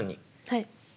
はい。